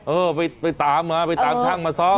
เออไปตามมาไปตามช่างมาซ้อม